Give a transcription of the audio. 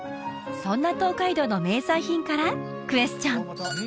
そんな東海道の名産品からクエスチョン